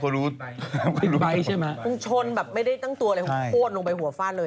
พิกไบท์ใช่ไหมคงชนแบบไม่ได้ตั้งตัวอะไรใช่โคตรลงไปหัวฟาดเลย